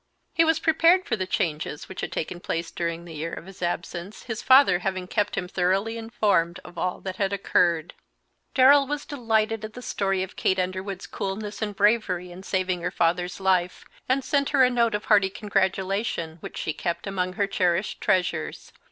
He was prepared for the changes which had taken place during the year of his absence, his father having kept him thoroughly informed of all that had occurred. Darrell was delighted at the story of Kate Underwood's coolness and bravery in saving her father's life, and sent her a note of hearty congratulation, which she kept among her cherished treasures.